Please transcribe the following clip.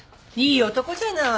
いい男じゃない。